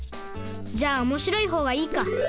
じゃあおもしろいほうがいいか。